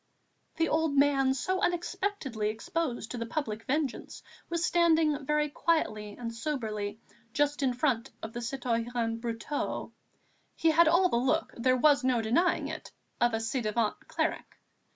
The old man so unexpectedly exposed to the public vengeance was standing very quietly and soberly just in front of the citoyen Brotteaux. He had all the look, there was no denying it, of a ci devant cleric.